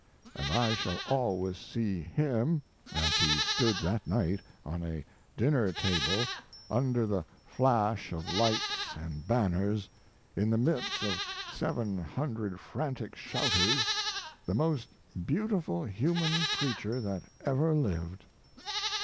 And I shall always see him, as he stood that night on a dinner table, under the flash of lights and banners, in the midst of seven hundred frantic shouters, the most beautiful human creature that ever lived.